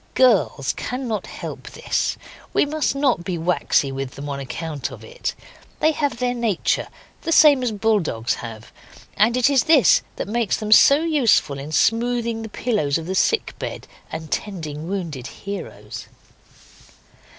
Girls cannot help this; we must not be waxy with them on account of it, they have their nature, the same as bull dogs have, and it is this that makes them so useful in smoothing the pillows of the sick bed and tending wounded heroes.